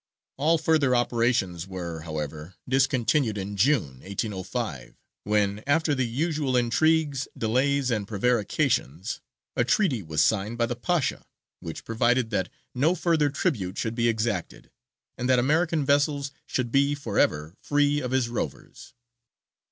All further operations were, however, discontinued in June, 1805, when, after the usual intrigues, delays, and prevarications, a treaty was signed by the Pasha, which provided that no further tribute should be exacted, and that American vessels should be for ever free of his rovers.